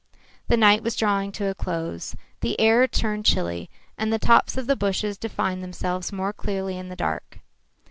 The night was drawing to a close. The air turned chilly, and the tops of the bushes defined themselves more clearly in the dark.